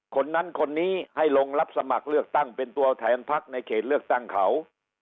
คนนั้นคนนี้ให้ลงรับสมัครเลือกตั้งเป็นตัวแทนพักในเขตเลือกตั้งเขา